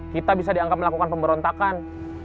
kita bisa dianggap melakukan pemberontakan